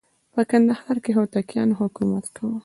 په کندهار کې هوتکیانو حکومت کاوه.